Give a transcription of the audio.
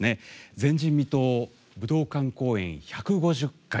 前人未到、武道館公演１５０回